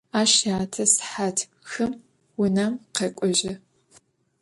Aş yate sıhat xım vunem khek'ojı.